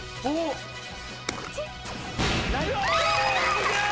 すげえ！